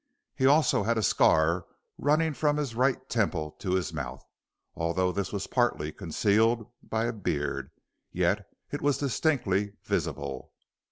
He also had a scar running from his right temple to his mouth, and although this was partly concealed by a beard, yet it was distinctly visible.